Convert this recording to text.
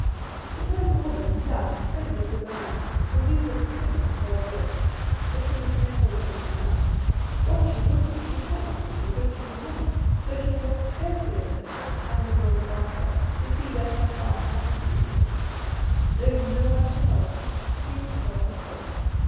"Suppose a woman, young, friendless as I am, the weakest thing on God's earth. But she must make her way through life. What she would be she cannot be because she is a woman; so she looks carefully at herself and the world about her, to see where her path must be made. "There is no one to help her; she must help herself.